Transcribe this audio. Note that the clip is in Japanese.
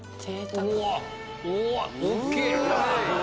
うわ大きい！